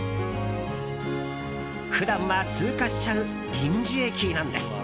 普段は通過しちゃう臨時駅なんです。